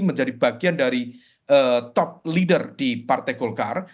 menjadi bagian dari top leader di partai golkar